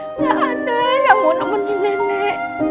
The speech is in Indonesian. nenek gak ada yang mau nemenin nenek